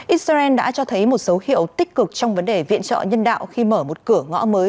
israel đã cho thấy một số hiệu tích cực trong vấn đề viện trợ nhân đạo khi mở một cửa ngõ mới